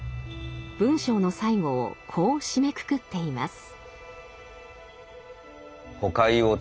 文章の最後をこう締めくくっています。